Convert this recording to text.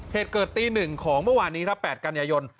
เหตุเกิดตี๑ของเมื่อวานนี้รับแปดกัญญาณยนต์